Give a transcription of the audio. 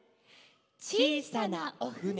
「ちいさなおふね」。